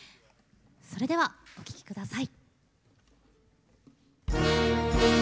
それではお聴き下さい。